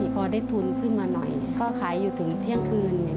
พอได้ทุนขึ้นมาหน่อยก็ขายอยู่ถึงเที่ยงคืน